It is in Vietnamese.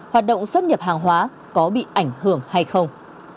hoạt động xuất nhập hàng hóa có bị ảnh hưởng hay không